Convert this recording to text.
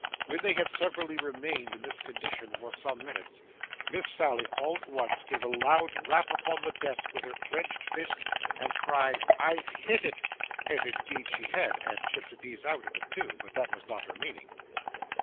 When they had severally remained in this condition for some minutes, Miss Sally all at once gave a loud rap upon the desk with her clenched fist, and cried, 'I've hit it!' as indeed she had, and chipped a piece out of it too; but that was not her meaning.